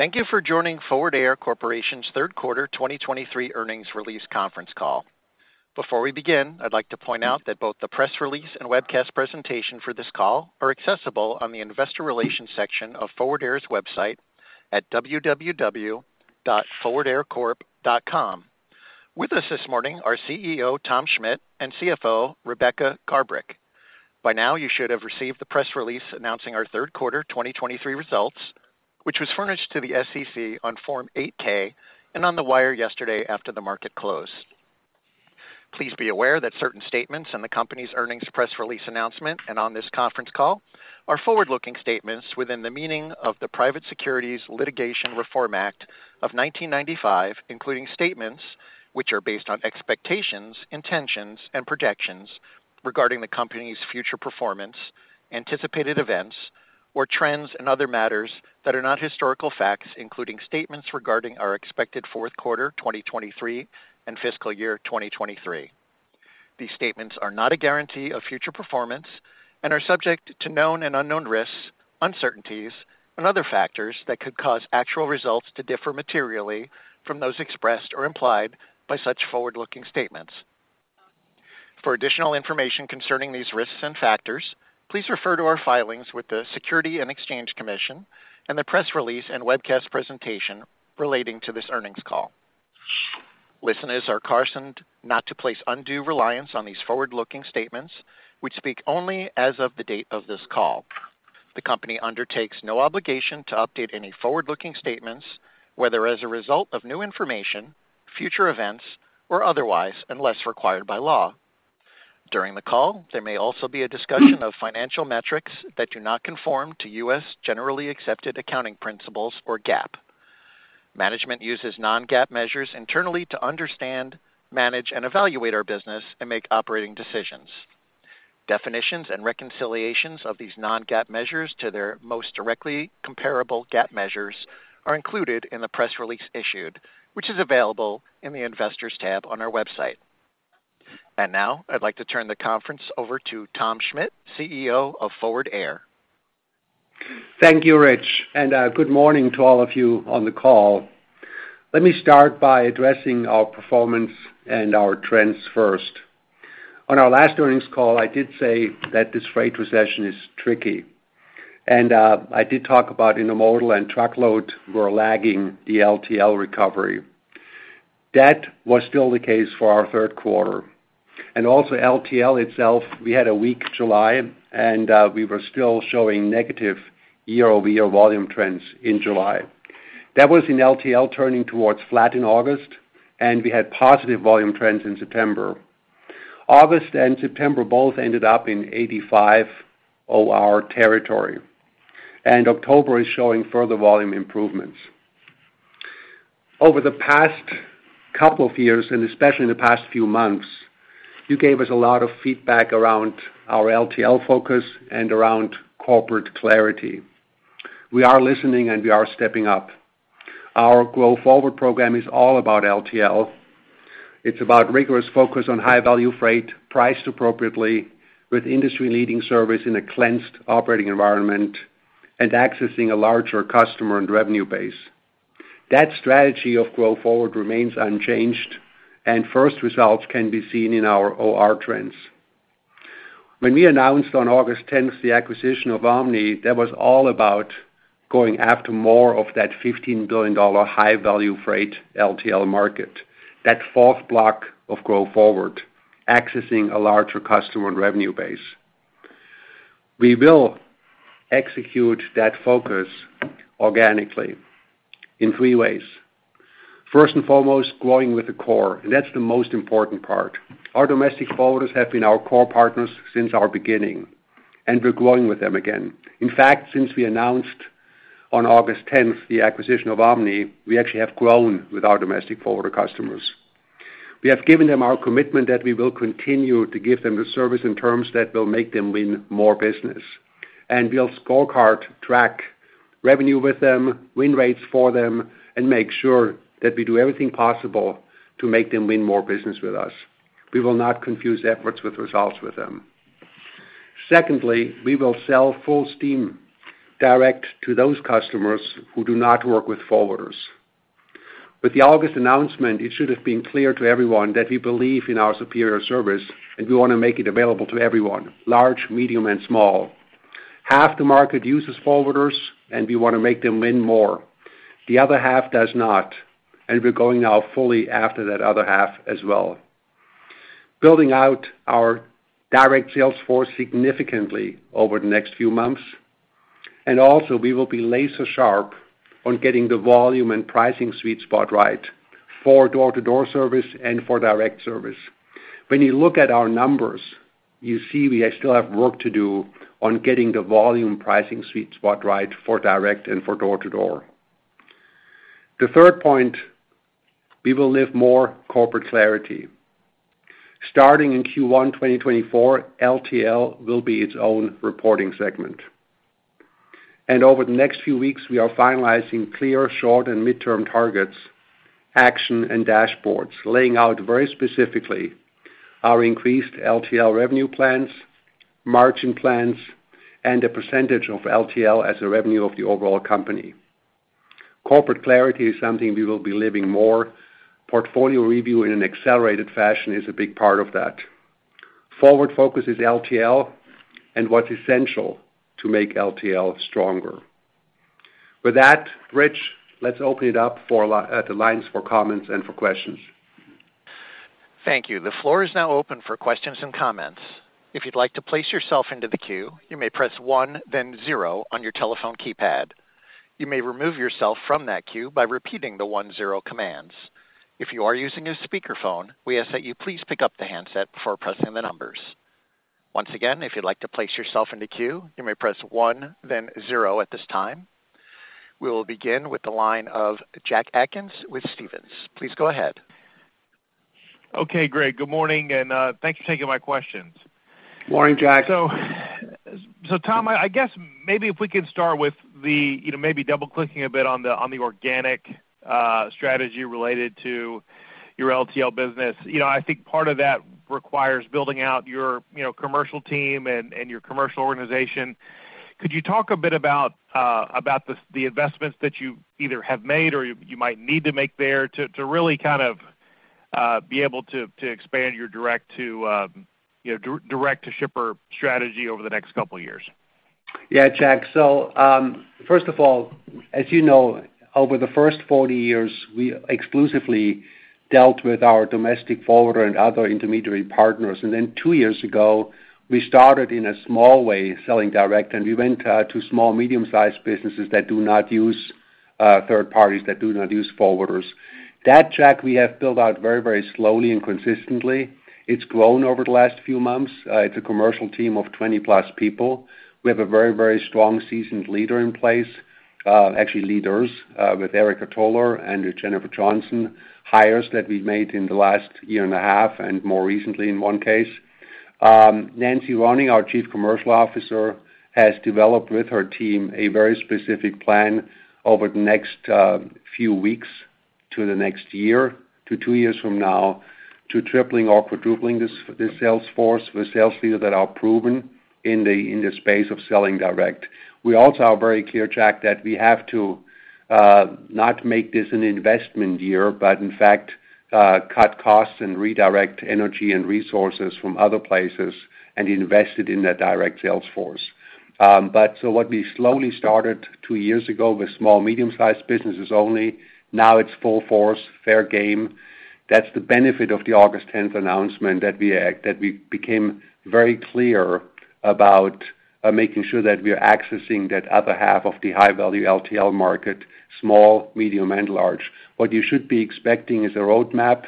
Thank you for joining Forward Air Corporation's Q3 2023 earnings release conference call. Before we begin, I'd like to point out that both the press release and webcast presentation for this call are accessible on the investor relations section of Forward Air's website at www.forwardaircorp.com. With us this morning are CEO Tom Schmitt and CFO Rebecca Garbrick. By now, you should have received the press release announcing our Q3 2023 results, which was furnished to the SEC on Form 8-K and on the wire yesterday after the market closed. Please be aware that certain statements in the company's earnings press release announcement and on this conference call are forward-looking statements within the meaning of the Private Securities Litigation Reform Act of 1995, including statements which are based on expectations, intentions, and projections regarding the company's future performance, anticipated events or trends, and other matters that are not historical facts, including statements regarding our expected Q4, 2023 and fiscal year, 2023. These statements are not a guarantee of future performance and are subject to known and unknown risks, uncertainties, and other factors that could cause actual results to differ materially from those expressed or implied by such forward-looking statements. For additional information concerning these risks and factors, please refer to our filings with the Securities and Exchange Commission and the press release and webcast presentation relating to this earnings call. Listeners are cautioned not to place undue reliance on these forward-looking statements, which speak only as of the date of this call. The company undertakes no obligation to update any forward-looking statements, whether as a result of new information, future events, or otherwise, unless required by law. During the call, there may also be a discussion of financial metrics that do not conform to U.S. generally accepted accounting principles or GAAP. Management uses non-GAAP measures internally to understand, manage, and evaluate our business and make operating decisions. Definitions and reconciliations of these non-GAAP measures to their most directly comparable GAAP measures are included in the press release issued, which is available in the Investors tab on our website. Now I'd like to turn the conference over to Tom Schmitt, CEO of Forward Air. Thank you, Rich, and good morning to all of you on the call. Let me start by addressing our performance and our trends first. On our last earnings call, I did say that this freight recession is tricky, and I did talk about intermodal and truckload were lagging the LTL recovery. That was still the case for our Q3. Also LTL itself, we had a weak July, and we were still showing negative year-over-year volume trends in July. That was in LTL, turning towards flat in August, and we had positive volume trends in September. August and September both ended up in 85 OR territory, and October is showing further volume improvements. Over the past couple of years, and especially in the past few months, you gave us a lot of feedback around our LTL focus and around corporate clarity. We are listening, and we are stepping up. Our Grow Forward program is all about LTL. It's about rigorous focus on high-value freight, priced appropriately with industry-leading service in a cleansed operating environment and accessing a larger customer and revenue base. That strategy of Grow Forward remains unchanged, and first results can be seen in our OR trends. When we announced on August tenth, the acquisition of Omni, that was all about going after more of that $15 billion high-value freight LTL market, that fourth block of Grow Forward, accessing a larger customer and revenue base. We will execute that focus organically in three ways. First and foremost, growing with the core, and that's the most important part. Our domestic forwarders have been our core partners since our beginning, and we're growing with them again. In fact, since we announced on August tenth, the acquisition of Omni, we actually have grown with our domestic forwarder customers. We have given them our commitment that we will continue to give them the service and terms that will make them win more business, and we'll scorecard, track revenue with them, win rates for them, and make sure that we do everything possible to make them win more business with us. We will not confuse efforts with results with them. Secondly, we will sell full steam direct to those customers who do not work with forwarders. With the August announcement, it should have been clear to everyone that we believe in our superior service, and we want to make it available to everyone, large, medium, and small. Half the market uses forwarders, and we want to make them win more. The other half does not, and we're going now fully after that other half as well, building out our direct sales force significantly over the next few months. Also, we will be laser sharp on getting the volume and pricing sweet spot right for door-to-door service and for direct service. When you look at our numbers, you see we still have work to do on getting the volume pricing sweet spot right for direct and for door-to-door. The third point, we will live more corporate clarity. Starting in Q1 2024, LTL will be its own reporting segment. Over the next few weeks, we are finalizing clear, short, and midterm targets, action and dashboards, laying out very specifically our increased LTL revenue plans, margin plans, and the percentage of LTL as a revenue of the overall company. Corporate clarity is something we will be living more. Portfolio review in an accelerated fashion is a big part of that. Forward focus is LTL and what's essential to make LTL stronger. With that, Rich, let's open it up for the lines for comments and for questions. Thank you. The floor is now open for questions and comments. If you'd like to place yourself into the queue, you may press one, then zero on your telephone keypad. You may remove yourself from that queue by repeating the one zero commands. If you are using a speakerphone, we ask that you please pick up the handset before pressing the numbers. Once again, if you'd like to place yourself in the queue, you may press one, then zero at this time. We will begin with the line of Jack Atkins with Stephens. Please go ahead. Okay, great. Good morning, and, thanks for taking my questions. Morning, Jack. So, so Tom, I, I guess maybe if we could start with the, you know, maybe double-clicking a bit on the, on the organic strategy related to your LTL business. You know, I think part of that requires building out your, you know, commercial team and, and your commercial organization. Could you talk a bit about, about the, the investments that you either have made or you, you might need to make there to, to really kind of, be able to, to expand your direct to, you know, direct-to-shipper strategy over the next couple of years? Yeah, Jack. So, first of all, as you know, over the first 40 years, we exclusively dealt with our domestic forwarder and other intermediary partners. And then 2 years ago, we started in a small way, selling direct, and we went to small, medium-sized businesses that do not use third parties, that do not use forwarders. That, Jack, we have built out very, very slowly and consistently. It's grown over the last few months. It's a commercial team of 20-plus people. We have a very, very strong, seasoned leader in place. Actually, leaders, with Erica Toller and Jennifer Johnson, hires that we've made in the last year and a half, and more recently in one case. Nancee Ronning, our Chief Commercial Officer, has developed with her team a very specific plan over the next few weeks to the next year to two years from now, to tripling or quadrupling the sales force with sales leaders that are proven in the space of selling direct. We also are very clear, Jack, that we have to not make this an investment year, but in fact, cut costs and redirect energy and resources from other places and invest it in that direct sales force. What we slowly started two years ago with small, medium-sized businesses only, now it's full force, fair game. That's the benefit of the August tenth announcement, that we became very clear about making sure that we are accessing that other half of the high-value LTL market, small, medium, and large. What you should be expecting is a roadmap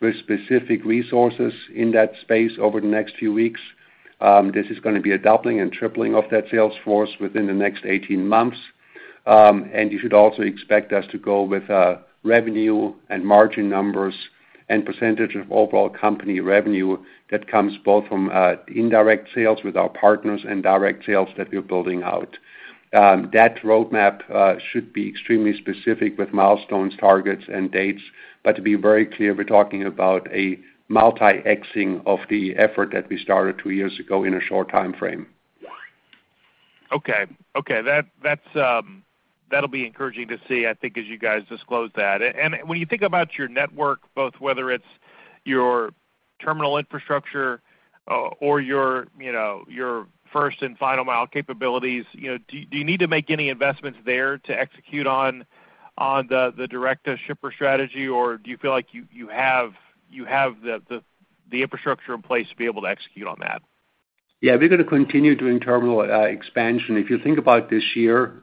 with specific resources in that space over the next few weeks. This is gonna be a doubling and tripling of that sales force within the next 18 months. And you should also expect us to go with revenue and margin numbers and percentage of overall company revenue that comes both from indirect sales with our partners and direct sales that we're building out. That roadmap should be extremely specific with milestones, targets, and dates. But to be very clear, we're talking about a multi-Xing of the effort that we started 2 years ago in a short time frame. Okay. Okay, that's, that'll be encouraging to see, I think, as you guys disclose that. And when you think about your network, both whether it's your terminal infrastructure, or your, you know, your first and final mile capabilities, you know, do you need to make any investments there to execute on the direct-to-shipper strategy, or do you feel like you have the infrastructure in place to be able to execute on that? Yeah, we're gonna continue doing terminal expansion. If you think about this year,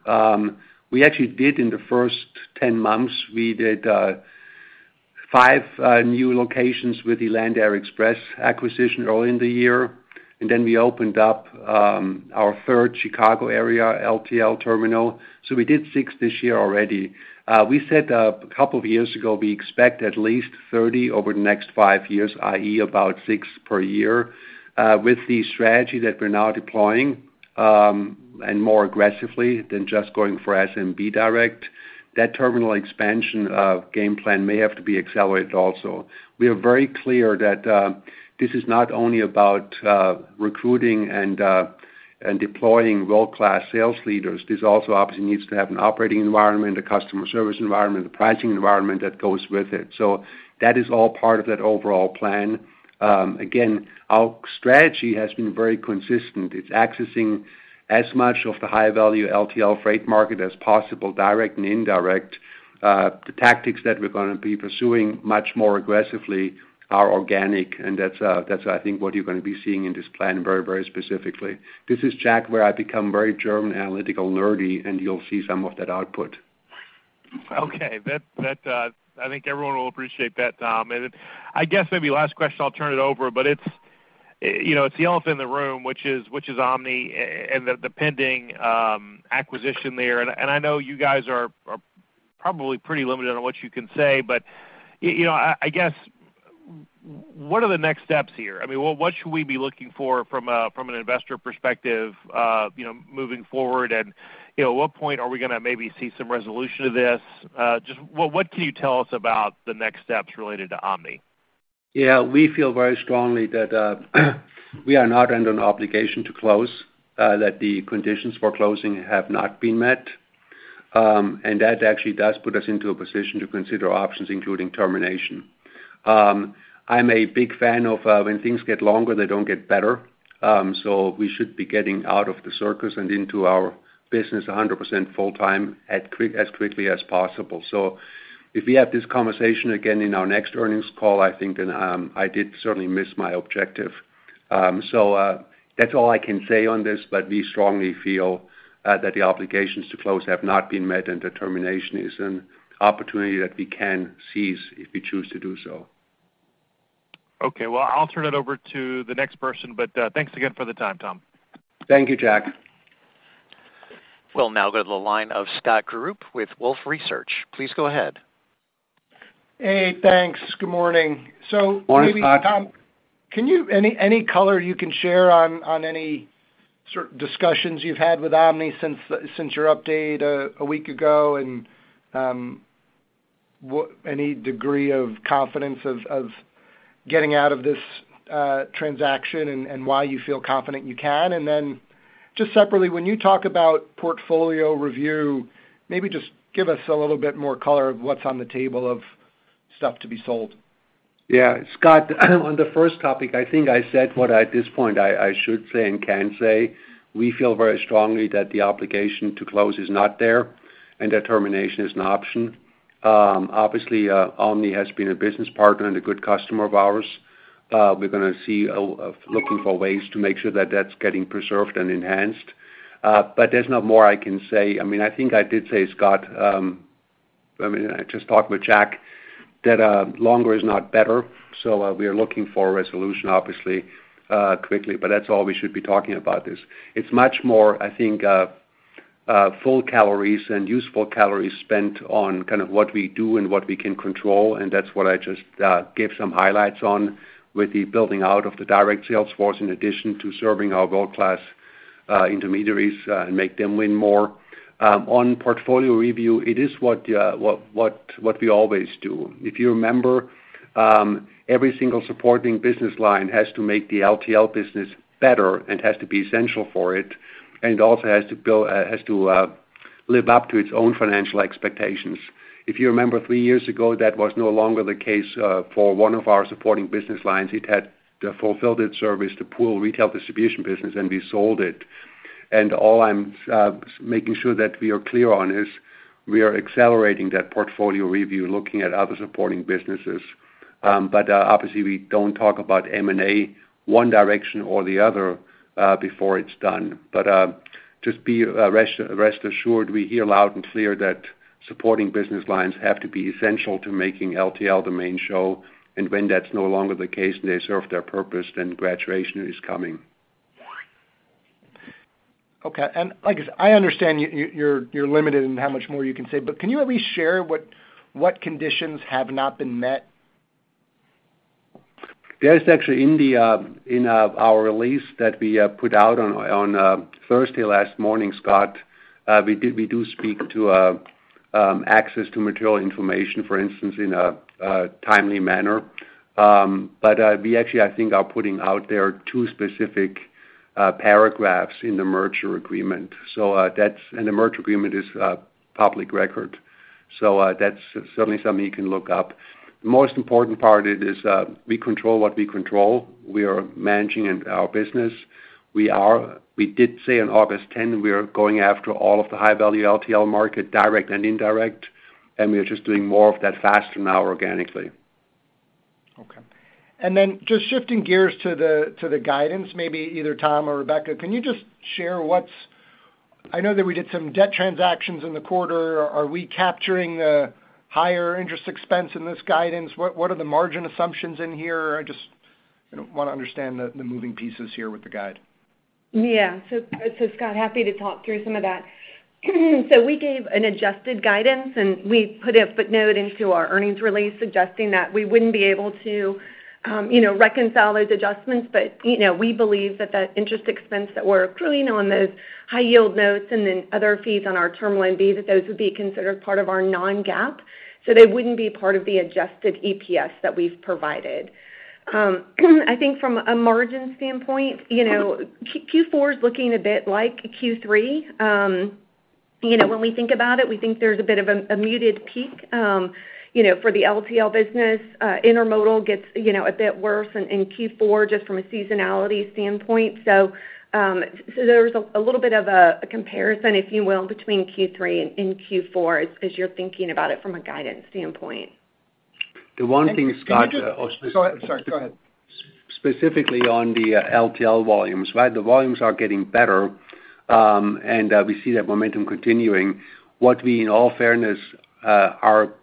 we actually did in the first 10 months, we did 5 new locations with the Land Air Express acquisition early in the year, and then we opened up our third Chicago-area LTL terminal. So we did 6 this year already. We said a couple of years ago, we expect at least 30 over the next 5 years, i.e., about 6 per year. With the strategy that we're now deploying, and more aggressively than just going for SMB direct, that terminal expansion game plan may have to be accelerated also. We are very clear that this is not only about recruiting and deploying world-class sales leaders. This also obviously needs to have an operating environment, a customer service environment, a pricing environment that goes with it. So that is all part of that overall plan. Again, our strategy has been very consistent. It's accessing as much of the high-value LTL freight market as possible, direct and indirect. The tactics that we're gonna be pursuing much more aggressively are organic, and that's, that's, I think, what you're gonna be seeing in this plan very, very specifically. This is, Jack, where I become very German, analytical, nerdy, and you'll see some of that output. Okay. That, that, I think everyone will appreciate that, Tom. And I guess maybe last question, I'll turn it over, but it's, you know, it's the elephant in the room, which is, which is Omni and the, the pending, acquisition there. And, and I know you guys are, are probably pretty limited on what you can say, but, you know, I, I guess. What are the next steps here? I mean, what, what should we be looking for from a, from an investor perspective, you know, moving forward? And, you know, at what point are we gonna maybe see some resolution to this? Just what, what can you tell us about the next steps related to Omni? Yeah, we feel very strongly that we are not under an obligation to close, that the conditions for closing have not been met. And that actually does put us into a position to consider options, including termination. I'm a big fan of when things get longer, they don't get better. So we should be getting out of the circus and into our business 100% full-time, as quickly as possible. So if we have this conversation again in our next earnings call, I think then I did certainly miss my objective. So, that's all I can say on this, but we strongly feel that the obligations to close have not been met, and the termination is an opportunity that we can seize if we choose to do so. Okay, well, I'll turn it over to the next person, but, thanks again for the time, Tom. Thank you, Jack. We'll now go to the line of Scott Group with Wolfe Research. Please go ahead. Hey, thanks. Good morning. Morning, Scott. So maybe Tom, can you any color you can share on any sort of discussions you've had with Omni since your update a week ago? And what any degree of confidence of getting out of this transaction and why you feel confident you can? And then, just separately, when you talk about portfolio review, maybe just give us a little bit more color of what's on the table of stuff to be sold. Yeah, Scott, on the first topic, I think I said what at this point, I should say and can say. We feel very strongly that the obligation to close is not there, and that termination is an option. Obviously, Omni has been a business partner and a good customer of ours. We're gonna see a of looking for ways to make sure that that's getting preserved and enhanced, but there's not more I can say. I mean, I think I did say, Scott, I mean, I just talked with Jack, that longer is not better, so we are looking for a resolution, obviously, quickly, but that's all we should be talking about this. It's much more, I think, full calories and useful calories spent on kind of what we do and what we can control, and that's what I just gave some highlights on with the building out of the direct sales force, in addition to serving our world-class intermediaries, and make them win more. On portfolio review, it is what we always do. If you remember, every single supporting business line has to make the LTL business better and has to be essential for it, and also has to live up to its own financial expectations. If you remember, three years ago, that was no longer the case for one of our supporting business lines. It had fulfilled its service to pool retail distribution business, and we sold it. And all I'm making sure that we are clear on is, we are accelerating that portfolio review, looking at other supporting businesses. But obviously, we don't talk about M&A one direction or the other before it's done. But just rest assured, we hear loud and clear that supporting business lines have to be essential to making LTL the main show, and when that's no longer the case, and they serve their purpose, then graduation is coming. Okay, and like I said, I understand you, you're limited in how much more you can say, but can you at least share what conditions have not been met? That is actually in the, in, our release that we, put out on, on, Thursday last morning, Scott. We do speak to, access to material information, for instance, in a, a timely manner. But, we actually, I think, are putting out there two specific, paragraphs in the merger agreement. So, that's, and the merger agreement is, public record, so, that's certainly something you can look up. The most important part it is, we control what we control. We are managing in our business. We did say on August 10, we are going after all of the high-value LTL market, direct and indirect, and we are just doing more of that faster now organically. Okay. Then just shifting gears to the guidance, maybe either Tom or Rebecca, can you just share what's, I know that we did some debt transactions in the quarter. Are we capturing the higher interest expense in this guidance? What are the margin assumptions in here? I just, you know, want to understand the moving pieces here with the guide. Yeah. So, so Scott, happy to talk through some of that. So we gave an adjusted guidance, and we put a footnote into our earnings release, suggesting that we wouldn't be able to, you know, reconcile those adjustments. But, you know, we believe that the interest expense that we're accruing on those high-yield notes and then other fees on our Term Loan B, that those would be considered part of our non-GAAP, so they wouldn't be part of the adjusted EPS that we've provided. I think from a margin standpoint, you know, Q4 is looking a bit like Q3. You know, when we think about it, we think there's a bit of a muted peak, you know, for the LTL business. Intermodal gets, you know, a bit worse in Q4 just from a seasonality standpoint. So, there's a little bit of a comparison, if you will, between Q3 and Q4, as you're thinking about it from a guidance standpoint. The one thing, Scott- Can you just-- Sorry, sorry, go ahead. Specifically on the LTL volumes, right? The volumes are getting better, and we see that momentum continuing. What we, in all fairness, are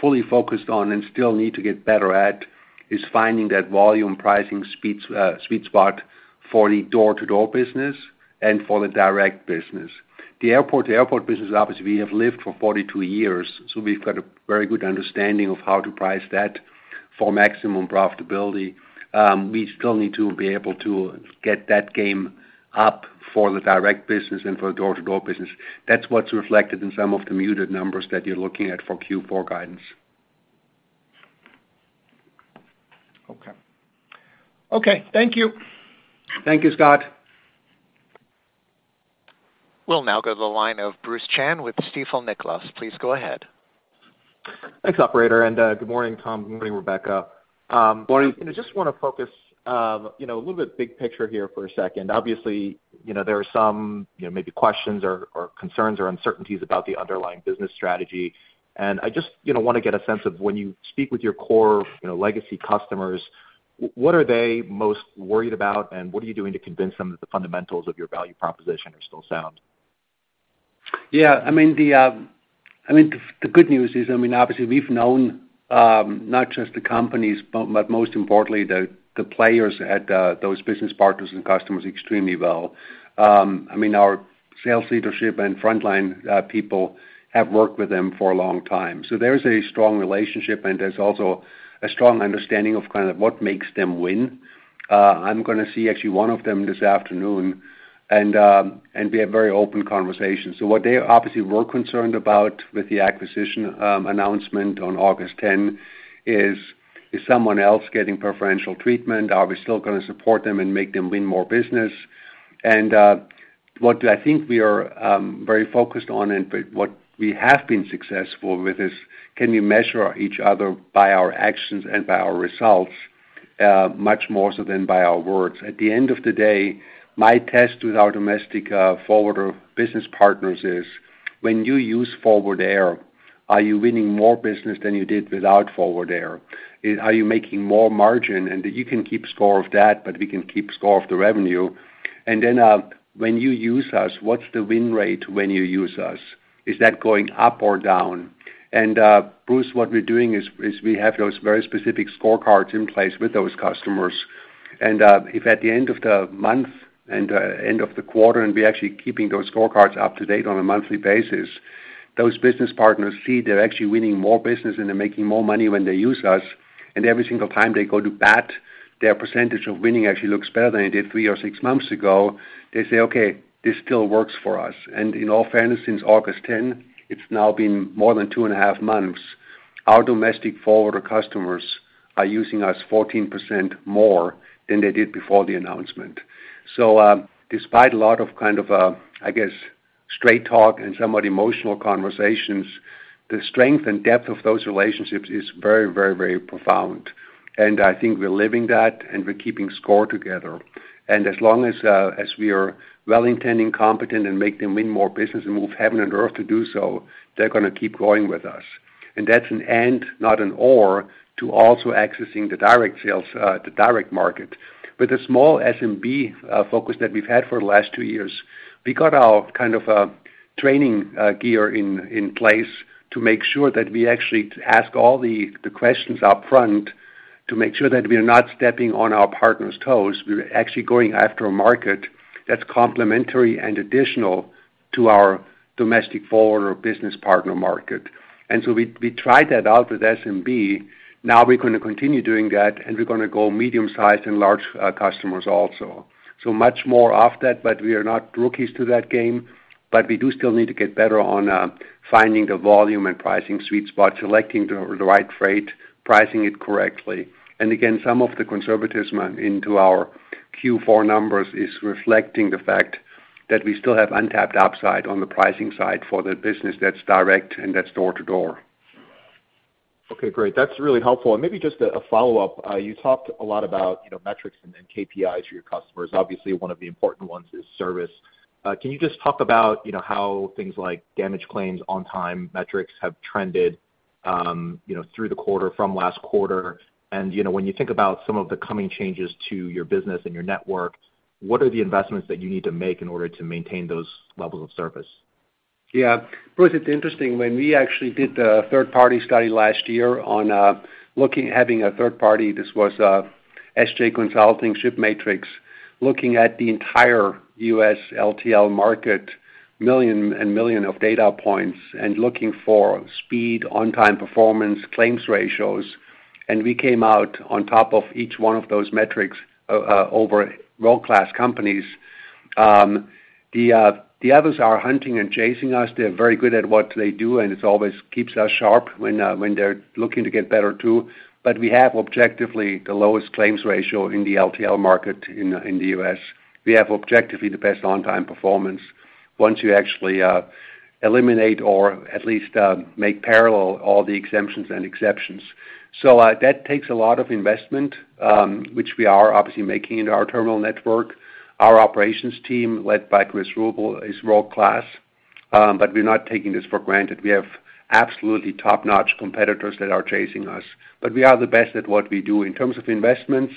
fully focused on and still need to get better at, is finding that volume pricing speeds, sweet spot for the door-to-door business and for the direct business. The airport-to-airport business, obviously, we have lived for 42 years, so we've got a very good understanding of how to price that for maximum profitability. We still need to be able to get that game up for the direct business and for the door-to-door business. That's what's reflected in some of the muted numbers that you're looking at for Q4 guidance. Okay. Okay, thank you! Thank you, Scott. We'll now go to the line of Bruce Chan with Stifel Nicolaus. Please go ahead. Thanks, operator and good morning, Tom. Good morning, Rebecca. Morning. I just wanna focus, you know, a little bit big picture here for a second. Obviously, you know, there are some, you know, maybe questions or concerns or uncertainties about the underlying business strategy. And I just, you know, want to get a sense of when you speak with your core, you know, legacy customers, what are they most worried about, and what are you doing to convince them that the fundamentals of your value proposition are still sound? Yeah, I mean, the good news is, I mean, obviously, we've known, not just the companies, but most importantly, the players at those business partners and customers extremely well. I mean, our sales leadership and frontline people have worked with them for a long time, so there's a strong relationship, and there's also a strong understanding of kind of what makes them win. I'm gonna see actually one of them this afternoon, and we have very open conversations. So what they obviously were concerned about with the acquisition announcement on August ten is: Is someone else getting preferential treatment? Are we still gonna support them and make them win more business? What I think we are very focused on and but what we have been successful with is, can we measure each other by our actions and by our results, much more so than by our words? At the end of the day, my test with our domestic forwarder business partners is, when you use Forward Air, are you winning more business than you did without Forward Air? Are you making more margin? And you can keep score of that, but we can keep score of the revenue. And then, when you use us, what's the win rate when you use us? Is that going up or down? Bruce, what we're doing is we have those very specific scorecards in place with those customers. And, if at the end of the month and, end of the quarter, and we're actually keeping those scorecards up to date on a monthly basis, those business partners see they're actually winning more business, and they're making more money when they use us. And every single time they go to bat, their percentage of winning actually looks better than it did 3 or 6 months ago. They say, "Okay, this still works for us." And in all fairness, since August 10, it's now been more than 2.5 months. Our domestic forwarder customers are using us 14% more than they did before the announcement. So, despite a lot of kind of, I guess, straight talk and somewhat emotional conversations, the strength and depth of those relationships is very, very, very profound. And I think we're living that, and we're keeping score together. And as long as we are well-intentioned, competent, and make them win more business and move heaven and earth to do so, they're gonna keep going with us. And that's an and, not an or, to also accessing the direct sales, the direct market. With a small SMB focus that we've had for the last two years, we got our kind of training gear in place to make sure that we actually ask all the questions up front, to make sure that we are not stepping on our partners' toes. We're actually going after a market that's complementary and additional to our domestic forwarder or business partner market. And so we tried that out with SMB. Now we're gonna continue doing that, and we're gonna go medium-sized and large customers also. So much more of that, but we are not rookies to that game. But we do still need to get better on finding the volume and pricing sweet spot, selecting the right freight, pricing it correctly. And again, some of the conservatism into our Q4 numbers is reflecting the fact that we still have untapped upside on the pricing side for the business that's direct and that's Door-to-Door. Okay, great. That's really helpful. And maybe just a follow-up. You talked a lot about, you know, metrics and then KPIs for your customers. Obviously, one of the important ones is service. Can you just talk about, you know, how things like damage claims on time, metrics have trended through the quarter from last quarter? And, you know, when you think about some of the coming changes to your business and your network, what are the investments that you need to make in order to maintain those levels of service? Yeah. Bruce, it's interesting. When we actually did the third-party study last year on having a third party, this was SJ Consulting, ShipMatrix, looking at the entire U.S. LTL market, million and million of data points, and looking for speed, on-time performance, claims ratios, and we came out on top of each one of those metrics over world-class companies. The others are hunting and chasing us. They're very good at what they do, and it's always keeps us sharp when they're looking to get better, too. But we have objectively the lowest claims ratio in the LTL market in the U.S. We have objectively the best on-time performance once you actually eliminate or at least make parallel all the exemptions and exceptions. So, that takes a lot of investment, which we are obviously making into our terminal network. Our operations team, led by Chris Ruble, is world-class, but we're not taking this for granted. We have absolutely top-notch competitors that are chasing us, but we are the best at what we do. In terms of investments,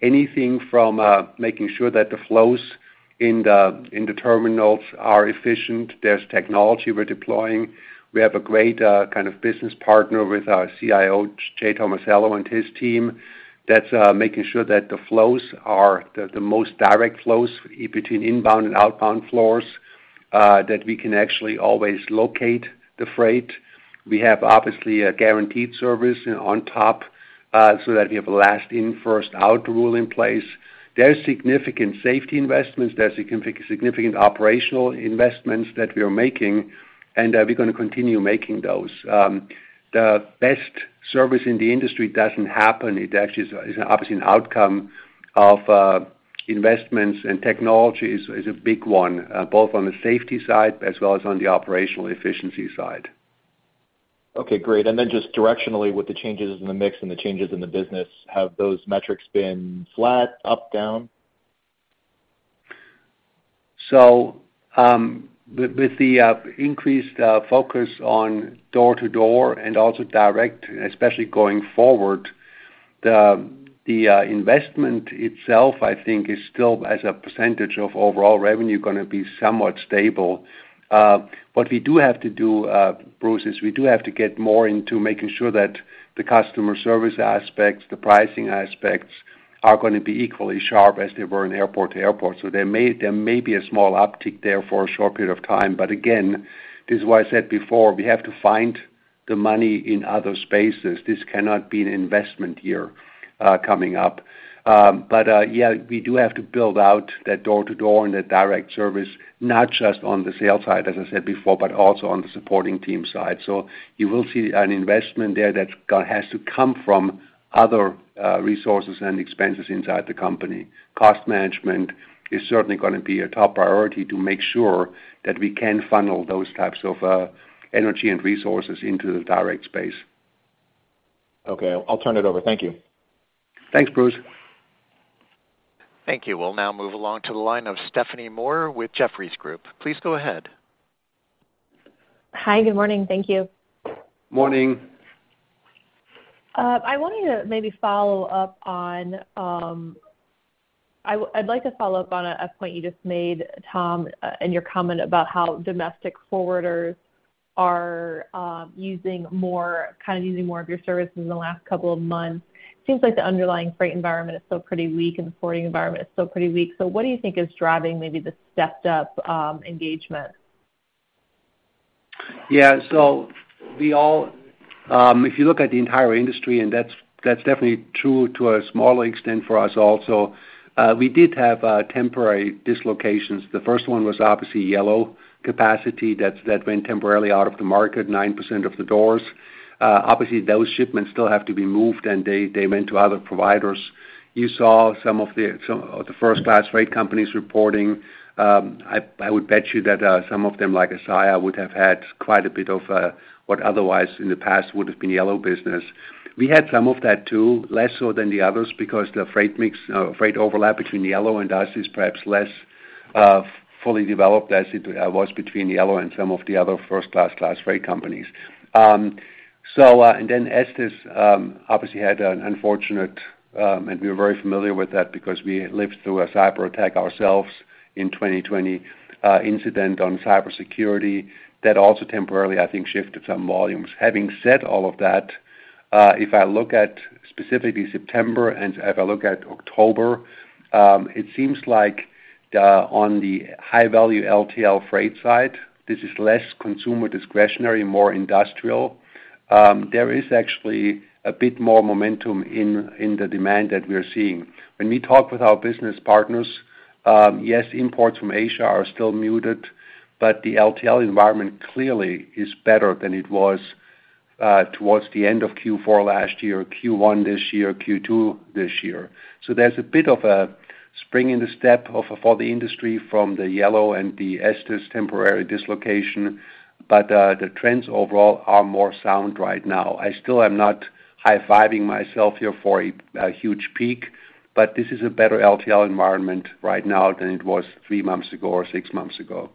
anything from making sure that the flows in the terminals are efficient. There's technology we're deploying. We have a great, kind of business partner with our CIO, Jay Tomasello and his team, that's making sure that the flows are the most direct flows between inbound and outbound floors, that we can actually always locate the freight. We have, obviously, a guaranteed service on top, so that we have a last in, first out rule in place. There are significant safety investments, there's significant operational investments that we are making, and, we're gonna continue making those. The best service in the industry doesn't happen. It actually is obviously an outcome of, investments, and technology is a big one, both on the safety side as well as on the operational efficiency side. Okay, great. And then just directionally, with the changes in the mix and the changes in the business, have those metrics been flat, up, down? So, with the increased focus on door-to-door and also direct, especially going forward, the investment itself, I think, is still, as a percentage of overall revenue, gonna be somewhat stable. What we do have to do, Bruce, is we do have to get more into making sure that the customer service aspects, the pricing aspects, are gonna be equally sharp as they were in Airport-to-Airport. So there may be a small uptick there for a short period of time. But again, this is what I said before, we have to find the money in other spaces. This cannot be an investment year coming up. But yeah, we do have to build out that door-to-door and that direct service, not just on the sales side, as I said before, but also on the supporting team side. You will see an investment there that has to come from other resources and expenses inside the company. Cost management is certainly gonna be a top priority to make sure that we can funnel those types of energy and resources into the direct space. Okay, I'll turn it over. Thank you. Thanks, Bruce. Thank you. We'll now move along to the line of Stephanie Moore with Jefferies Group. Please go ahead. Hi, good morning. Thank you. Morning. I'd like to follow up on a point you just made, Tom, in your comment about how domestic forwarders are kind of using more of your services in the last couple of months. It seems like the underlying freight environment is still pretty weak, and the forwarding environment is still pretty weak. So what do you think is driving maybe the stepped up engagement? Yeah, so we all, if you look at the entire industry, and that's, that's definitely true to a smaller extent for us also, we did have temporary dislocations. The first one was obviously Yellow capacity, that, that went temporarily out of the market, 9% of the doors. Obviously, those shipments still have to be moved, and they, they went to other providers. You saw some of the, some of the first-class freight companies reporting. I, I would bet you that, some of them, like Saia, would have had quite a bit of, what otherwise in the past would have been Yellow business. We had some of that, too, less so than the others, because the freight mix, freight overlap between Yellow and us is perhaps less fully developed as it was between Yellow and some of the other first-class class freight companies. So, and then Estes, obviously, had an unfortunate, and we are very familiar with that because we lived through a cyberattack ourselves in 2020, incident on cybersecurity. That also temporarily, I think, shifted some volumes. Having said all of that, if I look at specifically September and if I look at October, it seems like, on the high-value LTL freight side, this is less consumer discretionary, more industrial. There is actually a bit more momentum in the demand that we are seeing. When we talk with our business partners, yes, imports from Asia are still muted, but the LTL environment clearly is better than it was, towards the end of Q4 last year, Q1 this year, Q2 this year. So there's a bit of a spring in the step of, for the industry from the Yellow and the Estes temporary dislocation, but, the trends overall are more sound right now. I still am not high-fiving myself here for a huge peak, but this is a better LTL environment right now than it was three months ago or six months ago.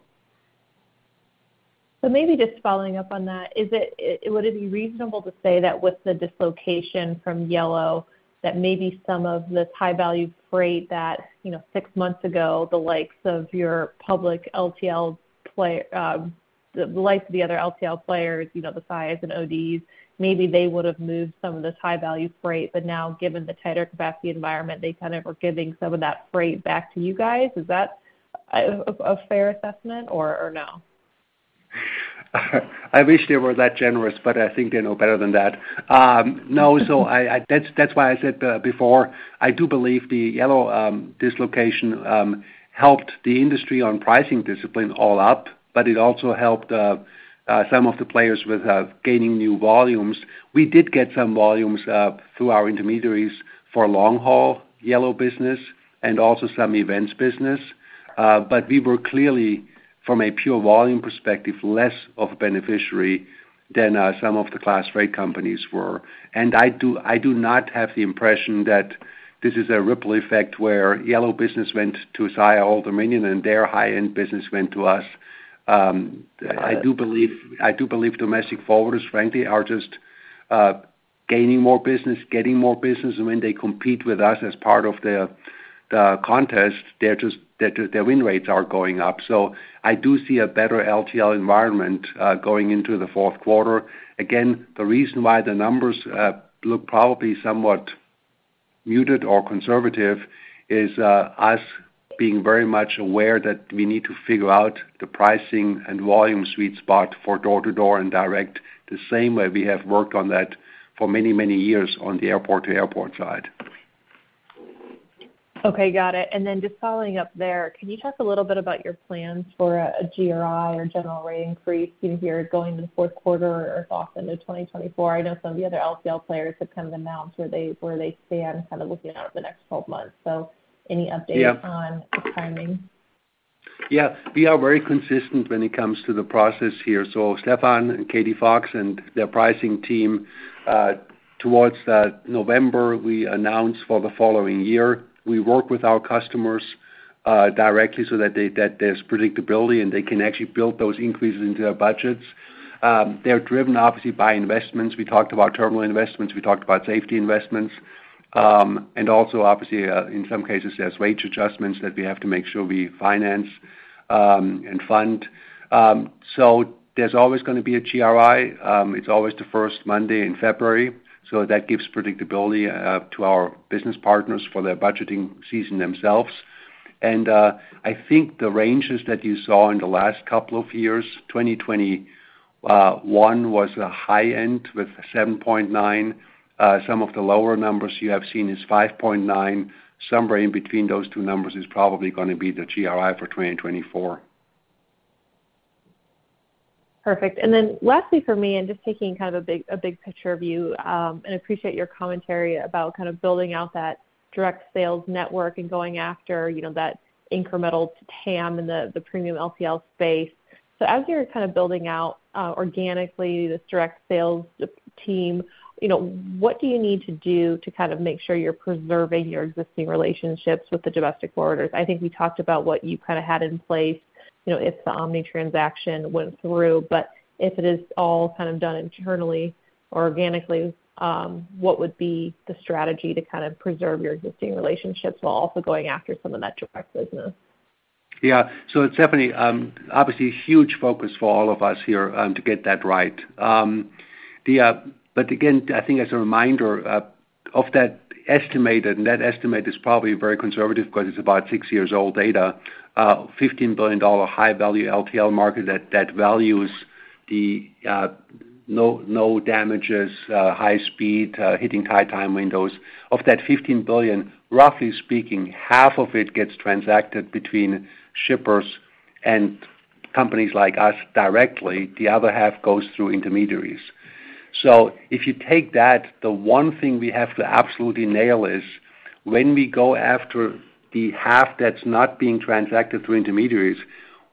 So maybe just following up on that, is it would it be reasonable to say that with the dislocation from Yellow, that maybe some of this high-value freight that, you know, six months ago, the likes of your public LTL player, the likes of the other LTL players, you know, the size and ODs, maybe they would have moved some of this high-value freight, but now, given the tighter capacity environment, they kind of are giving some of that freight back to you guys? Is that a fair assessment or no? I wish they were that generous, but I think they know better than that. No, so that's why I said before, I do believe the Yellow dislocation helped the industry on pricing discipline all up, but it also helped some of the players with gaining new volumes. We did get some volumes through our intermediaries for long-haul Yellow business and also some events business. But we were clearly, from a pure volume perspective, less of a beneficiary than some of the class freight companies were. And I do not have the impression that this is a ripple effect where Yellow business went to Saia, Old Dominion, and their high-end business went to us. I do believe, I do believe domestic forwarders, frankly, are just gaining more business, getting more business, and when they compete with us as part of the contest, their win rates are going up. So I do see a better LTL environment going into the Q4. Again, the reason why the numbers look probably somewhat muted or conservative is us being very much aware that we need to figure out the pricing and volume sweet spot for door-to-door and direct, the same way we have worked on that for many, many years on the airport-to-airport side. Okay, got it. And then just following up there, can you talk a little bit about your plans for a GRI, or general rate increase, in here going into the Q4 or off into 2024? I know some of the other LTL players have kind of announced where they, where they stand, kind of looking out at the next 12 months. So any update- Yeah on the timing? Yeah, we are very consistent when it comes to the process here. So Stefan and Katie Fox and their pricing team, towards that November, we announce for the following year. We work with our customers, directly so that they, that there's predictability, and they can actually build those increases into their budgets. They are driven obviously by investments. We talked about terminal investments, we talked about safety investments, and also obviously, in some cases, there's wage adjustments that we have to make sure we finance, and fund. So there's always going to be a GRI. It's always the first Monday in February, so that gives predictability, to our business partners for their budgeting season themselves. I think the ranges that you saw in the last couple of years, 2020, 2021 was a high end with 7.9. Some of the lower numbers you have seen is 5.9. Somewhere in between those two numbers is probably going to be the GRI for 2024. Perfect. And then lastly for me, and just taking kind of a big, a big picture view, and appreciate your commentary about kind of building out that direct sales network and going after, you know, that incremental TAM in the premium LCL space. So as you're kind of building out, organically, this direct sales team, you know, what do you need to do to kind of make sure you're preserving your existing relationships with the domestic forwarders? I think we talked about what you kind of had in place, you know, if the Omni transaction went through, but if it is all kind of done internally or organically, what would be the strategy to kind of preserve your existing relationships while also going after some of that direct business? Yeah. So Stephanie, obviously, a huge focus for all of us here to get that right. But again, I think as a reminder of that estimated, and that estimate is probably very conservative because it's about six-year-old data, $15 billion high-value LTL market, that values the no damages, high speed, hitting high time windows. Of that $15 billion, roughly speaking, half of it gets transacted between shippers and companies like us directly. The other half goes through intermediaries. So if you take that, the one thing we have to absolutely nail is when we go after the half that's not being transacted through intermediaries,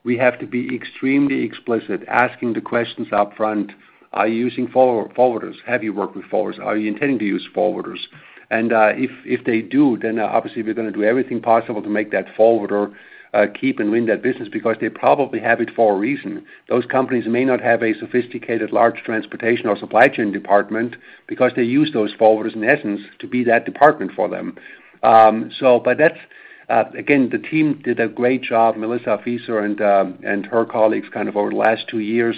we have to be extremely explicit, asking the questions upfront, "Are you using forward-forwarders? Have you worked with forwarders? Are you intending to use forwarders?" And, if they do, then obviously we're going to do everything possible to make that forwarder keep and win that business because they probably have it for a reason. Those companies may not have a sophisticated, large transportation or supply chain department because they use those forwarders, in essence, to be that department for them. So but that's, again, the team did a great job, Melissa Fieser and her colleagues, kind of over the last two years,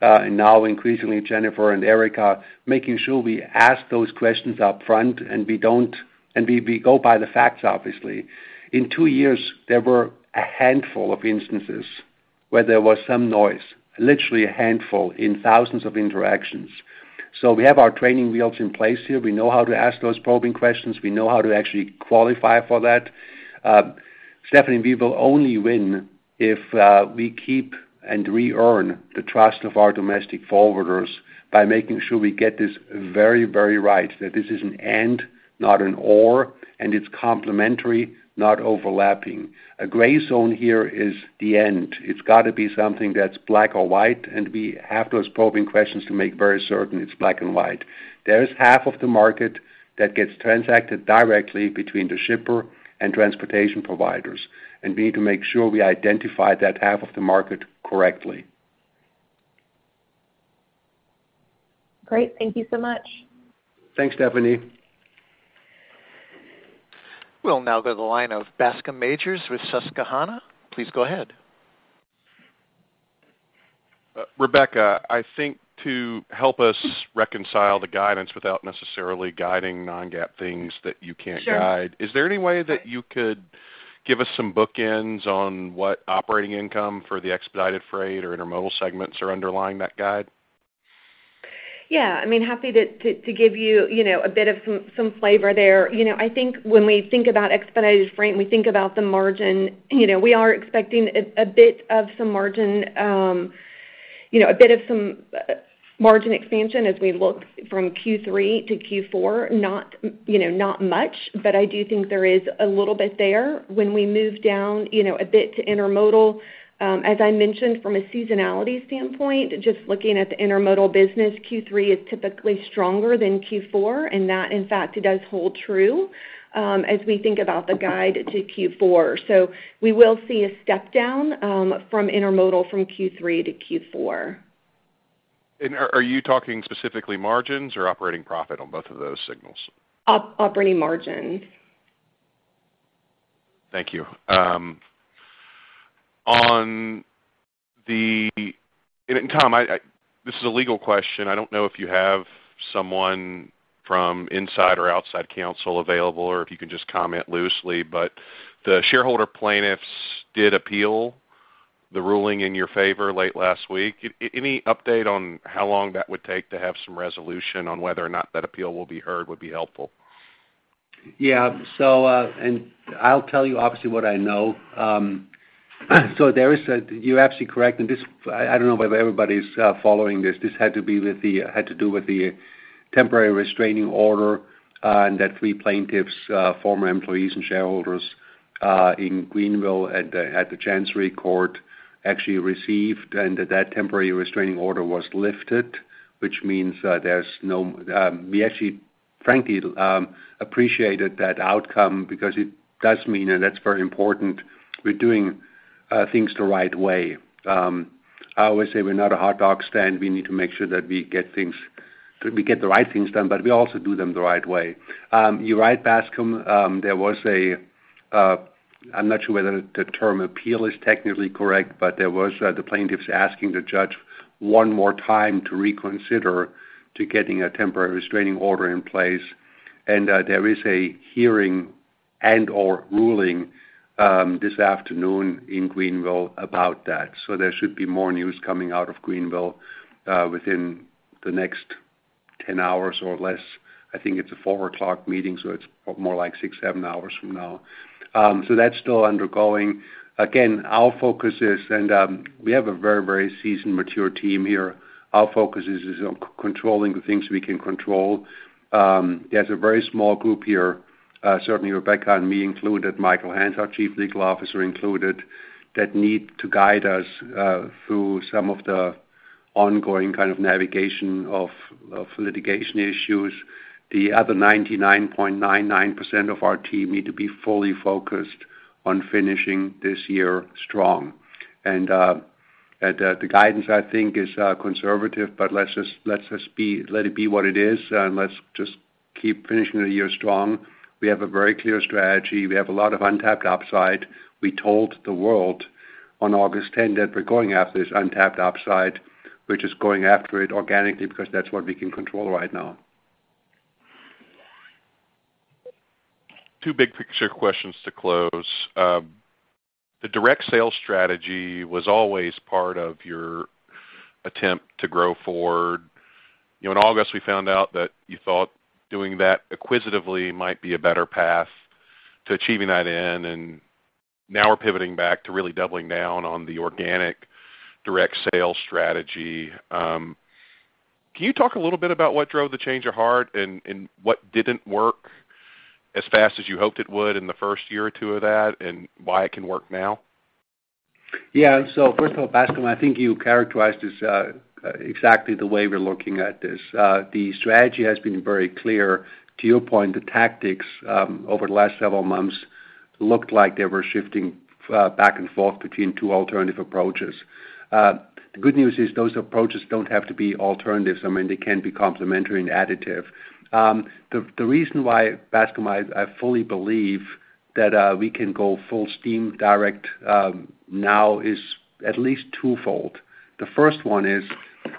and now increasingly, Jennifer and Erica, making sure we ask those questions upfront, and we don't, and we go by the facts, obviously. In two years, there were a handful of instances where there was some noise, literally a handful in thousands of interactions. So we have our training wheels in place here. We know how to ask those probing questions. We know how to actually qualify for that. Stephanie, we will only win if we keep and re-earn the trust of our domestic forwarders by making sure we get this very, very right, that this is an and, not an or, and it's complementary, not overlapping. A gray zone here is the end. It's got to be something that's black or white, and we have those probing questions to make very certain it's black and white. There is half of the market that gets transacted directly between the shipper and transportation providers, and we need to make sure we identify that half of the market correctly. Great. Thank you so much. Thanks, Stephanie. We'll now go to the line of Bascom Majors with Susquehanna. Please go ahead. Rebecca, I think to help us reconcile the guidance without necessarily guiding non-GAAP things that you can't guide- Sure. Is there any way that you could give us some bookends on what operating income for the expedited freight or intermodal segments are underlying that guide? Yeah. I mean, happy to give you, you know, a bit of some flavor there. You know, I think when we think about expedited freight, and we think about the margin, you know, we are expecting a bit of some margin, you know, a bit of some margin expansion as we look from Q3 to Q4. Not, you know, not much, but I do think there is a little bit there. When we move down, you know, a bit to intermodal, as I mentioned, from a seasonality standpoint, just looking at the intermodal business, Q3 is typically stronger than Q4, and that, in fact, does hold true, as we think about the guide to Q4. So we will see a step down, from intermodal from Q3 to Q4. Are you talking specifically margins or operating profit on both of those signals? Operating margins. Thank you. And Tom, I this is a legal question. I don't know if you have someone from inside or outside counsel available, or if you can just comment loosely, but the shareholder plaintiffs did appeal the ruling in your favor late last week. Any update on how long that would take to have some resolution on whether or not that appeal will be heard would be helpful. Yeah. So, and I'll tell you obviously what I know. So you're absolutely correct, and this, I don't know whether everybody's following this. This had to do with the temporary restraining order, and that three plaintiffs, former employees and shareholders, in Greeneville at the Chancery Court actually received, and that temporary restraining order was lifted, which means that we actually, frankly, appreciated that outcome because it does mean, and that's very important, we're doing things the right way. I always say we're not a hot dog stand. We need to make sure that we get the right things done, but we also do them the right way. You're right, Bascom. There was a, I'm not sure whether the term appeal is technically correct, but there was, the plaintiffs asking the judge one more time to reconsider to getting a temporary restraining order in place, and, there is a hearing and/or ruling, this afternoon in Greeneville about that. So there should be more news coming out of Greeneville, within the next 10 hours or less. I think it's a 4:00 P.M. meeting, so it's more like six or seven hours from now. So that's still undergoing. Again, our focus is, and, we have a very, very seasoned, mature team here. Our focus is on controlling the things we can control. There's a very small group here, certainly Rebecca and me included, Michael Hance, our Chief Legal Officer included, that need to guide us through some of the ongoing kind of navigation of litigation issues. The other 99.99% of our team need to be fully focused on finishing this year strong. The guidance, I think, is conservative, but let's just, let's just be, let it be what it is, and let's just keep finishing the year strong. We have a very clear strategy. We have a lot of untapped upside. We told the world on August tenth that we're going after this untapped upside, which is going after it organically, because that's what we can control right now. Two big picture questions to close. The direct sales strategy was always part of your attempt to grow forward. You know, in August, we found out that you thought doing that acquisitively might be a better path to achieving that end, and now we're pivoting back to really doubling down on the organic direct sales strategy. Can you talk a little bit about what drove the change of heart and, and what didn't work as fast as you hoped it would in the first year or two of that, and why it can work now? Yeah. So first of all, Bascom, I think you characterized this exactly the way we're looking at this. The strategy has been very clear. To your point, the tactics over the last several months looked like they were shifting back and forth between two alternative approaches. The good news is those approaches don't have to be alternatives. I mean, they can be complementary and additive. The reason why, Bascom, I fully believe that we can go full steam direct now is at least twofold. The first one is,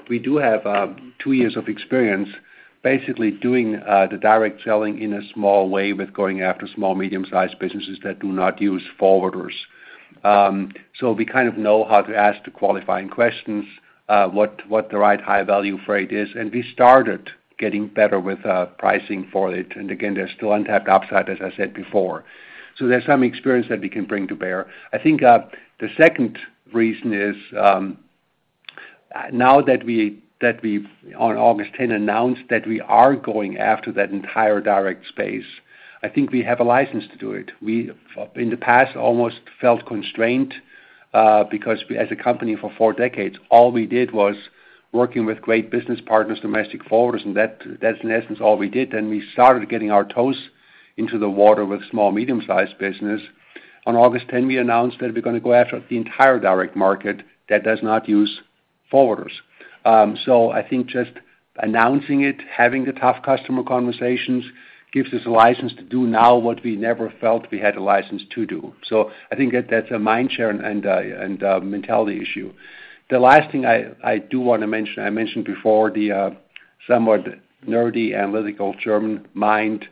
we do have two years of experience basically doing the direct selling in a small way with going after small, medium-sized businesses that do not use forwarders. So we kind of know how to ask the qualifying questions, what the right high-value freight is, and we started getting better with pricing for it. And again, there's still untapped upside, as I said before. So there's some experience that we can bring to bear. I think the second reason is, now that we on August ten announced that we are going after that entire direct space, I think we have a license to do it. We in the past almost felt constrained because as a company for four decades, all we did was working with great business partners, domestic forwarders, and that's in essence all we did. Then we started getting our toes into the water with small, medium-sized business. On August 10, we announced that we're going to go after the entire direct market that does not use forwarders. So I think just announcing it, having the tough customer conversations, gives us a license to do now what we never felt we had a license to do. So I think that that's a mind share and a, and a mentality issue. The last thing I do want to mention, I mentioned before, the somewhat nerdy, analytical German mind.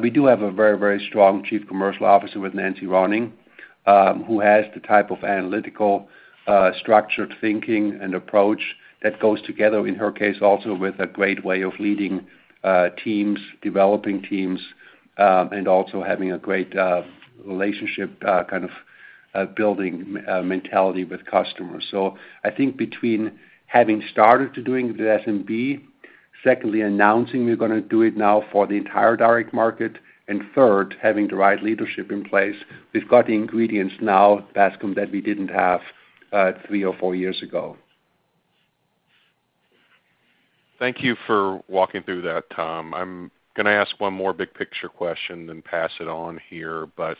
We do have a very, very strong Chief Commercial Officer with Nancee Ronning, who has the type of analytical, structured thinking and approach that goes together, in her case, also with a great way of leading teams, developing teams, and also having a great relationship kind of building mentality with customers. So I think between having started to doing the SMB, secondly, announcing we're going to do it now for the entire direct market, and third, having the right leadership in place, we've got the ingredients now, Bascom, that we didn't have three or four years ago. Thank you for walking through that, Tom. I'm going to ask one more big picture question, then pass it on here. But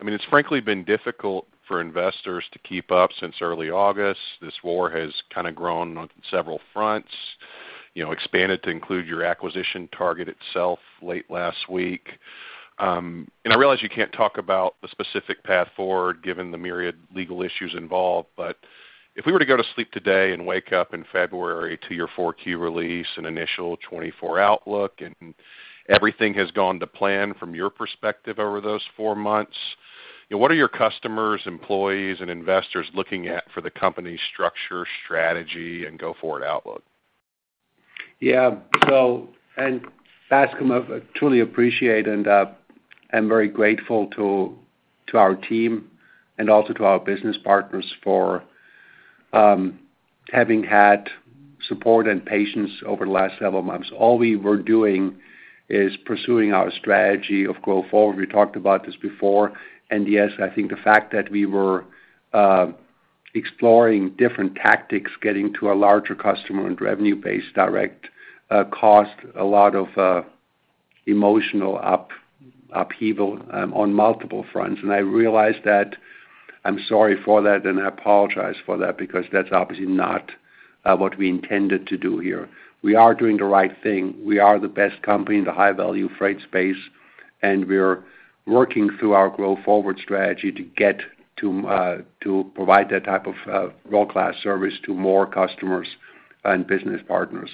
I mean, it's frankly been difficult for investors to keep up since early August. This war has kind of grown on several fronts, you know, expanded to include your acquisition target itself late last week. And I realize you can't talk about the specific path forward, given the myriad legal issues involved, but if we were to go to sleep today and wake up in February to your Q4 release and initial 2024 outlook, and everything has gone to plan from your perspective over those four months, what are your customers, employees, and investors looking at for the company's structure, strategy, and go-forward outlook? Yeah, well, and Bascom, I truly appreciate and, I'm very grateful to, to our team and also to our business partners for, having had support and patience over the last several months. All we were doing is pursuing our strategy of growth forward. We talked about this before. And yes, I think the fact that we were, exploring different tactics, getting to a larger customer and revenue base direct, caused a lot of, emotional upheaval, on multiple fronts. And I realized that I'm sorry for that, and I apologize for that because that's obviously not, what we intended to do here. We are doing the right thing. We are the best company in the high-value freight space, and we are working through our growth forward strategy to get to, to provide that type of world-class service to more customers and business partners.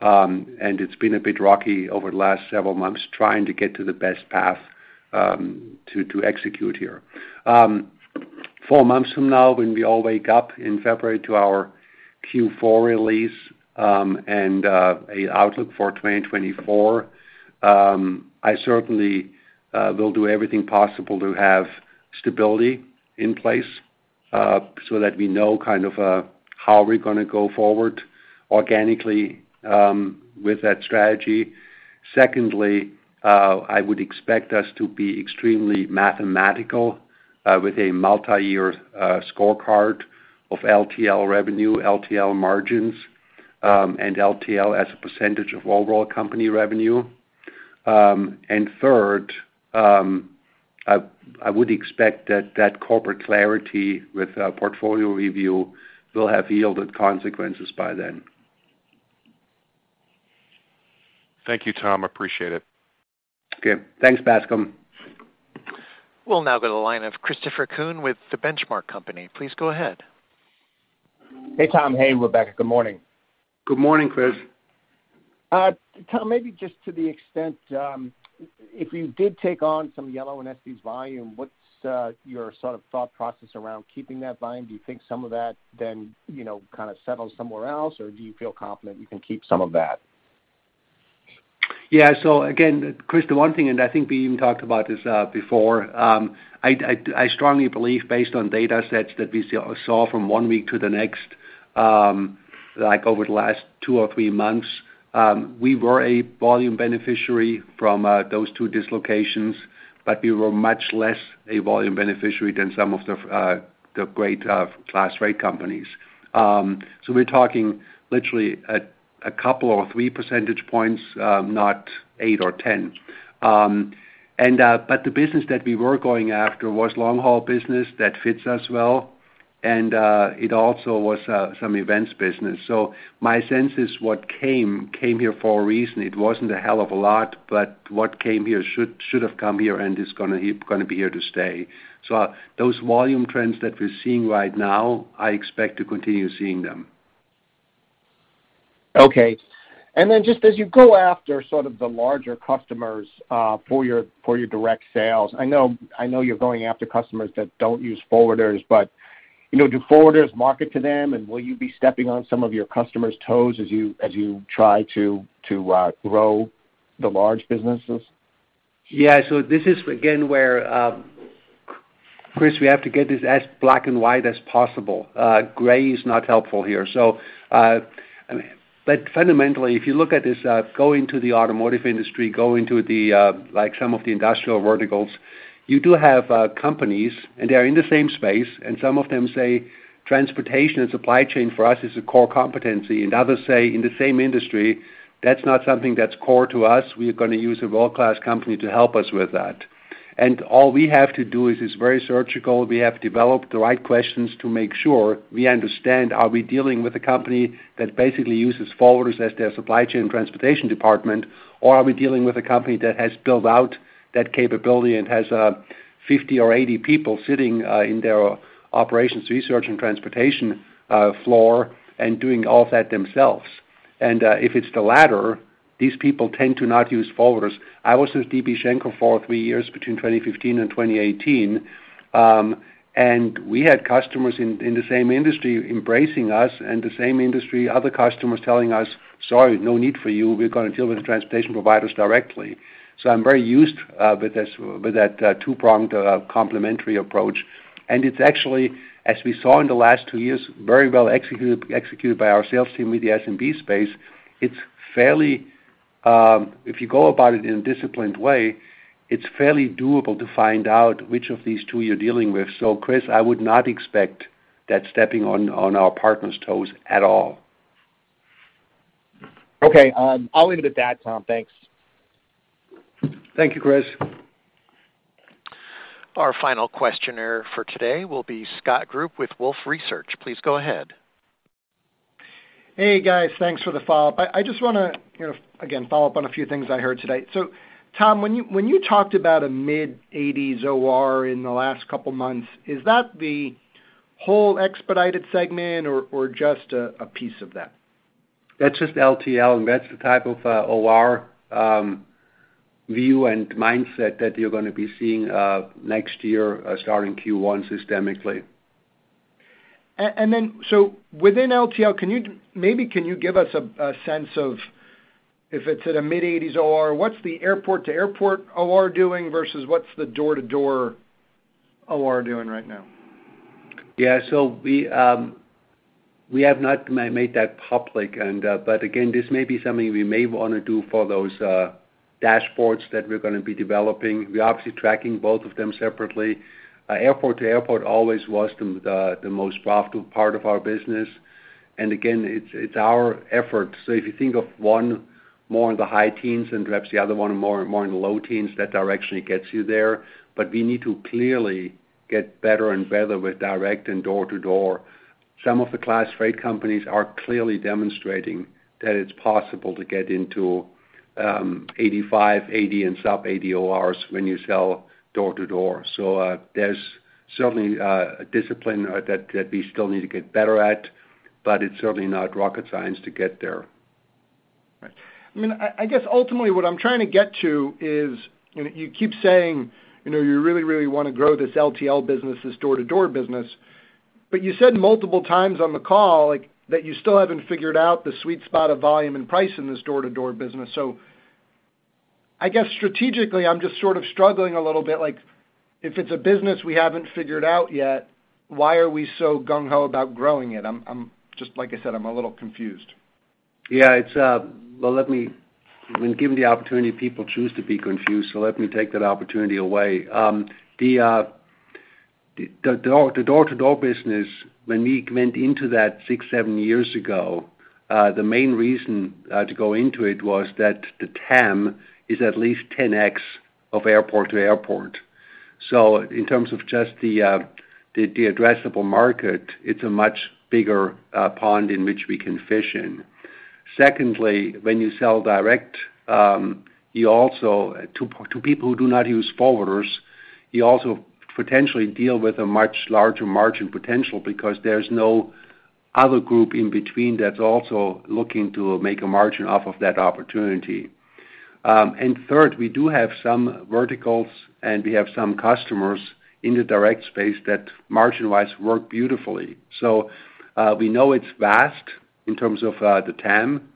And it's been a bit rocky over the last several months, trying to get to the best path, to, to execute here. Four months from now, when we all wake up in February to our Q4 release, and a outlook for 2024, I certainly will do everything possible to have stability in place, so that we know kind of how we're going to go forward organically, with that strategy. Secondly, I would expect us to be extremely mathematical, with a multiyear scorecard of LTL revenue, LTL margins, and LTL as a percentage of overall company revenue. And third, I would expect that that corporate clarity with a portfolio review will have yielded consequences by then. Thank you, Tom. I appreciate it. Okay. Thanks, Bascom. We'll now go to the line of Christopher Kuhn with The Benchmark Company. Please go ahead. Hey, Tom. Hey, Rebecca. Good morning. Good morning, Chris. Tom, maybe just to the extent if you did take on some Yellow and Estes's volume, what's your sort of thought process around keeping that volume? Do you think some of that then, you know, kind of settles somewhere else, or do you feel confident you can keep some of that? Yeah. So again, Chris, the one thing, and I think we even talked about this before, I strongly believe, based on data sets that we saw from one week to the next, like over the last 2 or 3 months, we were a volume beneficiary from those 2 dislocations, but we were much less a volume beneficiary than some of the great class rate companies. So we're talking literally a couple or 3 percentage points, not 8 or 10. But the business that we were going after was long-haul business. That fits us well, and it also was some events business. So my sense is what came here for a reason. It wasn't a hell of a lot, but what came here should have come here and is going to keep going to be here to stay. So those volume trends that we're seeing right now, I expect to continue seeing them. Okay. And then just as you go after sort of the larger customers, for your, for your direct sales, I know, I know you're going after customers that don't use forwarders, but, you know, do forwarders market to them, and will you be stepping on some of your customers' toes as you, as you try to grow the large businesses? Yeah. So this is again, where, Chris, we have to get this as black and white as possible. Gray is not helpful here. So, but fundamentally, if you look at this, going to the automotive industry, going to the, like some of the industrial verticals, you do have, companies, and they are in the same space, and some of them say: Transportation and supply chain for us is a core competency, and others say, in the same industry, that's not something that's core to us. We are going to use a world-class company to help us with that. And all we have to do is, it's very surgical. We have developed the right questions to make sure we understand, are we dealing with a company that basically uses forwarders as their supply chain transportation department, or are we dealing with a company that has built out that capability and has, 50 or 80 people sitting, in their operations research, and transportation floor and doing all of that themselves? And, if it's the latter, these people tend to not use forwarders. I was with DB Schenker for three years, between 2015 and 2018, and we had customers in the same industry embracing us and the same industry, other customers telling us, "Sorry, no need for you. We're going to deal with the transportation providers directly." So I'm very used, with this-- with that, two-pronged, complementary approach. It's actually, as we saw in the last two years, very well executed, executed by our sales team with the SMB space. It's fairly, if you go about it in a disciplined way, it's fairly doable to find out which of these two you're dealing with. So Chris, I would not expect that stepping on, on our partners' toes at all. Okay. I'll leave it at that, Tom. Thanks. Thank you, Chris. Our final questioner for today will be Scott Group with Wolfe Research. Please go ahead. Hey, guys. Thanks for the follow-up. I just wanna, you know, again follow up on a few things I heard today. So Tom, when you talked about a mid-80s OR in the last couple months, is that the whole expedited segment or just a piece of that? That's just LTL, and that's the type of OR view and mindset that you're gonna be seeing next year, starting Q1 systemically. Within LTL, can you maybe give us a sense of if it's at a mid-80s OR, what's the airport-to-airport OR doing versus what's the door-to-door OR doing right now? Yeah. So we have not made that public, but again, this may be something we may wanna do for those dashboards that we're gonna be developing. We're obviously tracking both of them separately. Airport-to-airport always was the most profitable part of our business, and again, it's our effort. So if you think of one more in the high teens and perhaps the other one more in the low teens, that direction gets you there. But we need to clearly get better and better with direct and door-to-door. Some of the class freight companies are clearly demonstrating that it's possible to get into 85, 80, and sub-80 ORs when you sell door-to-door. So there's certainly a discipline that we still need to get better at, but it's certainly not rocket science to get there. Right. I mean, I guess ultimately what I'm trying to get to is, you know, you keep saying, you know, you really, really wanna grow this LTL business, this door-to-door business, but you said multiple times on the call, like, that you still haven't figured out the sweet spot of volume and price in this door-to-door business. So I guess strategically, I'm just sort of struggling a little bit. Like, if it's a business we haven't figured out yet, why are we so gung ho about growing it? I'm just like I said, I'm a little confused. Yeah, it's Well, let me. When given the opportunity, people choose to be confused, so let me take that opportunity away. The door-to-door business, when we went into that 6-7 years ago, the main reason to go into it was that the TAM is at least 10x of airport-to-airport. So in terms of just the addressable market, it's a much bigger pond in which we can fish in. Secondly, when you sell direct, you also to people who do not use forwarders, you also potentially deal with a much larger margin potential because there's no other group in between that's also looking to make a margin off of that opportunity. And third, we do have some verticals, and we have some customers in the direct space that, margin-wise, work beautifully. We know it's vast in terms of the TAM.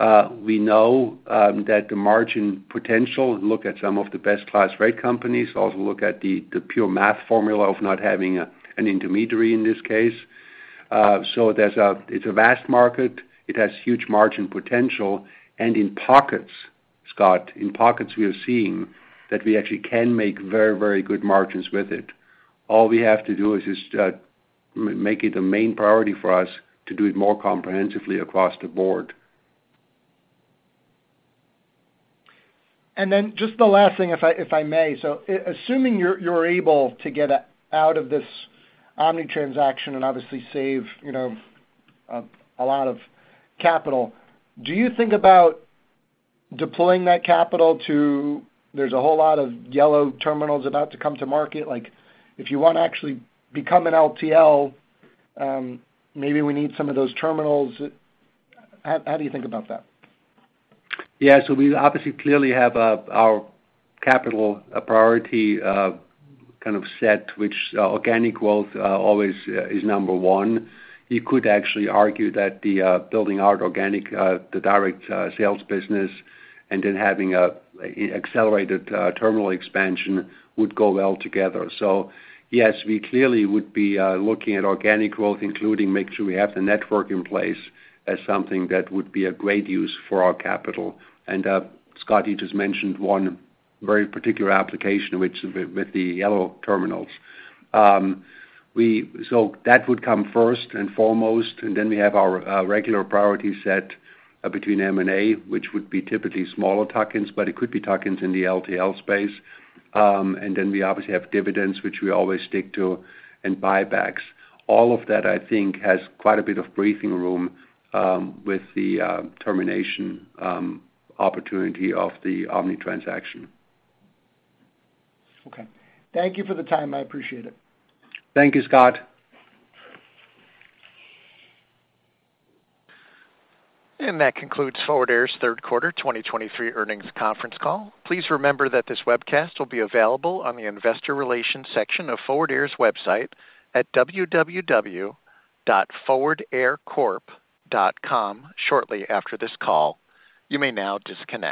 We know that the margin potential, look at some of the best class freight companies, also look at the pure math formula of not having an intermediary in this case. So, it's a vast market. It has huge margin potential, and in pockets, Scott, in pockets we are seeing that we actually can make very, very good margins with it. All we have to do is just make it a main priority for us to do it more comprehensively across the board. And then just the last thing, if I may. So assuming you're able to get out of this Omni transaction and obviously save, you know, a lot of capital, do you think about deploying that capital to, there's a whole lot of Yellow terminals about to come to market. Like, if you wanna actually become an LTL, maybe we need some of those terminals. How do you think about that? Yeah, so we obviously clearly have our capital priority kind of set, which organic growth always is number one. You could actually argue that the building out organic the direct sales business and then having a accelerated terminal expansion would go well together. So yes, we clearly would be looking at organic growth, including make sure we have the network in place, as something that would be a great use for our capital, and Scott you just mentioned one very particular application, which with the Yellow terminals. So that would come first and foremost, and then we have our regular priority set between M&A, which would be typically smaller tuck-ins, but it could be tuck-ins in the LTL space, and then we obviously have dividends which we always stick to, and buybacks. All of that, I think, has quite a bit of breathing room, with the termination opportunity of the Omni transaction. Okay. Thank you for the time. I appreciate it. Thank you, Scott. That concludes Forward Air's Q3 of 2023 earnings conference call. Please remember that this webcast will be available on the investor relations section of Forward Air's website at www.forwardaircorp.com shortly after this call. You may now disconnect.